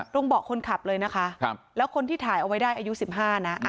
เบาะคนขับเลยนะคะแล้วคนที่ถ่ายเอาไว้ได้อายุ๑๕นะ